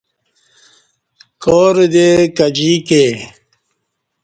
کارہ دے کجییکے